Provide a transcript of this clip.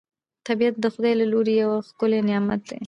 طبیعت د خدای له لوري یو ښکلی نعمت دی